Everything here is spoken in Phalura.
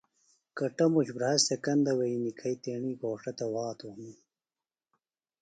کٹموش بھراش سےۡ کندہ وے نِکھئیۡ گھوݜٹہ تھےۡ وھاتوۡ ہنوۡ